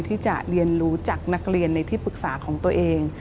ที่จะเรียนรู้จากนักเรียนในที่ปรึกษาของตัวเอง